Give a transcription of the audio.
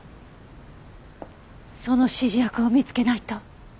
その指示役を見つけないと。